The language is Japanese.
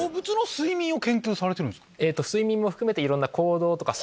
睡眠も含めて。